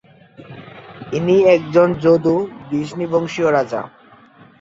ইনি একজন যদু-বৃষ্ণিবংশীয় রাজা।